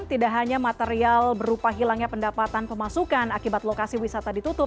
tidak hanya material berupa hilangnya pendapatan pemasukan akibat lokasi wisata ditutup